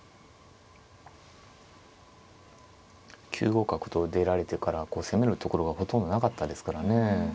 ９五角と出られてから攻めるところがほとんどなかったですからね。